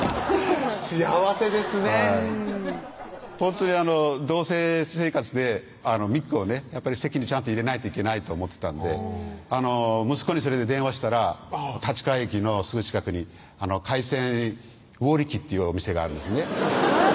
幸せですねはいほんとに同棲生活で美紀をね籍にちゃんと入れないといけないと思ってたんで息子にそれで電話したら立川駅のすぐ近くに海鮮魚力っていうお店があるんですね